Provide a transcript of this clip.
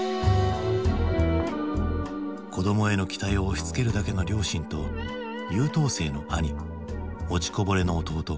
子どもへの期待を押しつけるだけの両親と優等生の兄落ちこぼれの弟。